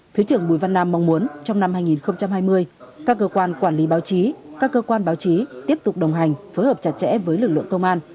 thứ trưởng bùi văn nam mong muốn trong năm hai nghìn hai mươi các cơ quan quản lý báo chí các cơ quan báo chí tiếp tục đồng hành phối hợp chặt chẽ với lực lượng công an